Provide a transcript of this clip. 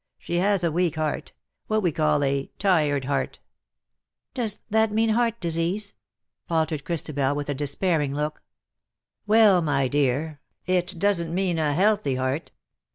She has a weak heart — what we call a tired heart." 47 ^' Does that mean heart disease V faltered Chris tabel, with a despairing look. ^'^Wellj my dear, it doesn't mean a healthy heart.